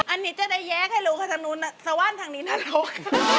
อันนี้จะได้แยกให้รู้ค่ะทางนู้นสว่านทางนี้น่ารู้